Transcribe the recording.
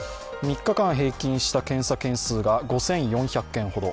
３日間平均した検査件数が５４００件ほど。